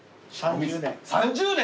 ３０年。